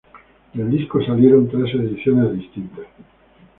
Del disco salieron tres ediciones distintas.